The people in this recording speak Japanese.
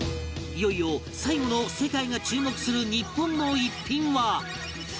いよいよ最後の世界が注目する日本の逸品は